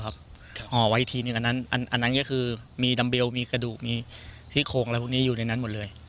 ห่อไว้ทีนึงอันนั้นอันนั้นก็คือมีดัมเบลมีกระดูกมีที่โคงอะไรพวกนี้อยู่ในนั้นหมดเลย